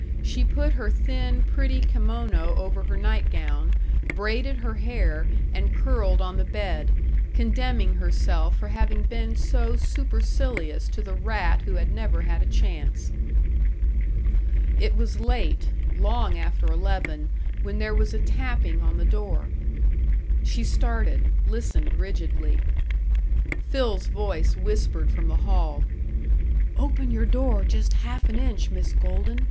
She put her thin, pretty kimono over her nightgown, braided her hair, and curled on the bed, condemning herself for having been so supercilious to the rat who had never had a chance. It was late long after eleven when there was a tapping on the door. She started, listened rigidly. Phil's voice whispered from the hall: "Open your door just half an inch, Miss Golden.